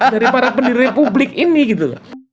dari para pendiri republik ini gitu loh